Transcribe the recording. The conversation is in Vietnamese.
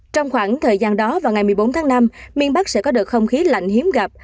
trong khoảng thời gian đó vào ngày một mươi bốn tháng năm miền bắc sẽ có đợt không khí lạnh hiếm gặp